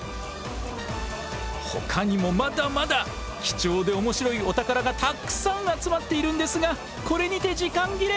ほかにもまだまだ貴重でおもしろいお宝がたくさん集まっているんですがこれにて時間切れ！